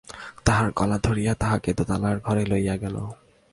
তাহার গলা ধরিয়া তাহাকে দোতলার ঘরে লইয়া গেল।